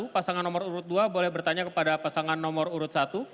pasangan nomor urut dua boleh bertanya kepada pasangan nomor urut satu